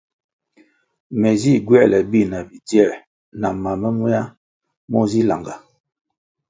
Me zih gywoēle bi na bidzie na mam momeya mo zih langah.